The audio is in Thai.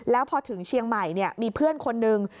แล้วพอถึงเชียงใหม่มีเพื่อนคนหนึ่ง